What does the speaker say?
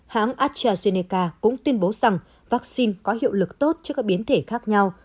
hãng astrazeneca cũng tuyên bố rằng vaccine có hiệu lực tốt trước các biến thể khác nhau